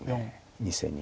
２線に。